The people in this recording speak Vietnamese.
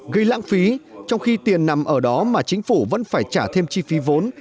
gây lãng phí trong khi tiền nằm ở đó mà chính phủ vẫn phải trả thêm chi phí vốn